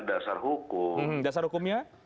dasar hukum dasar hukumnya